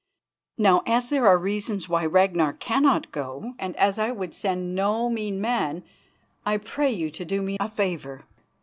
Now, as there are reasons why Ragnar cannot go, and as I would send no mean man, I pray you to do me a favour.